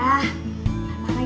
mak bikin dia bingung